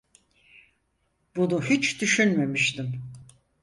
Bunu hiç düşünmemiştim.